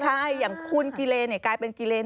ใช่อย่างคุณกิเลนกลายเป็นกิเลน